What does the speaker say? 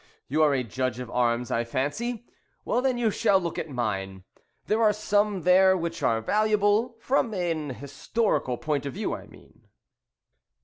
You are a judge of arms, I fancy. Well, then, you shall look at mine. There are some there which are valuable from an historical point of view, I mean."